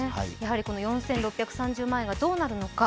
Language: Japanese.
この４６３０万円がどうなるのか。